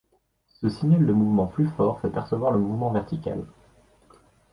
Ce signal de mouvement plus fort fait percevoir le mouvement vertical.